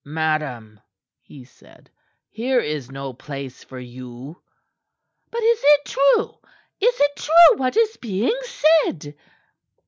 "Madam," he said, "here is no place for you." "But is it true? Is it true what is being said?"